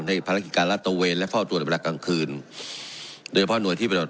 ในภารกิจการลัดตระเวนและเฝ้าตรวจในเวลากลางคืนโดยเฉพาะหน่วยที่เป็น